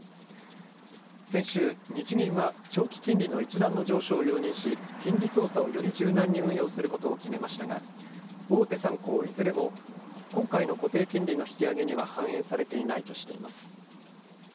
先週、日銀は長期金利の一段の上昇を容認し金利操作をより柔軟に運用することを決めましたが大手３行いずれも今回の固定金利の引き上げには反映されていないとしています。